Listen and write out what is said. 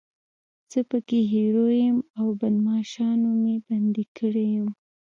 زه پکې هیرو یم او بدماشانو مې بندي کړی یم.